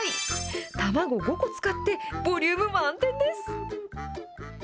卵５個使って、ボリューム満点です。